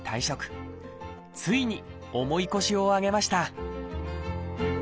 ついに重い腰を上げました